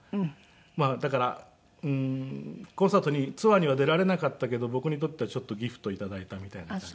まあだからコンサートにツアーには出られなかったけど僕にとってはちょっとギフト頂いたみたいな感じ。